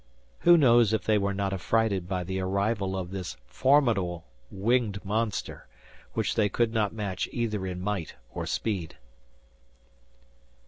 Who knows if they were not affrighted by the arrival of this formidable, winged monster, which they could not match either in might or speed.